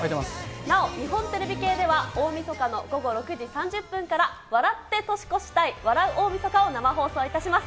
なお、日本テレビ系では、大みそかの午後６時３０分から、笑って年越したい！笑う大晦日を生放送いたします。